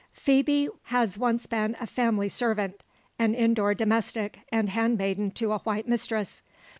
Phoebe has once been a family servant an indoor domestic, and handmaiden to a white mistress.